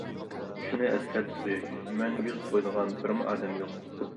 شۇنى ئەسكەرتىپ قوياي، مەن يۈز قويىدىغان بىرمۇ ئادەم يوق.